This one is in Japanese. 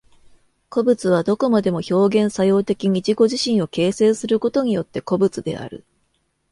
個物はどこまでも表現作用的に自己自身を形成することによって個物である。